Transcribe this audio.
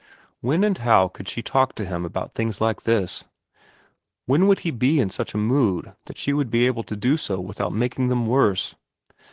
When and how could she talk to him about things like this ? When would he be in such a mood that she would be able to do so without making them worse